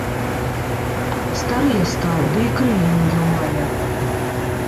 Стары я стаў, ды і крыллі надламалі.